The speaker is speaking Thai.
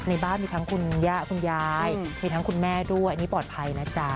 ในบ้านมีทั้งคุณย่าคุณยายมีทั้งคุณแม่ด้วยอันนี้ปลอดภัยนะจ๊ะ